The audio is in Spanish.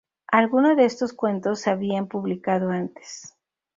Algunos de estos cuentos se habían publicado antes.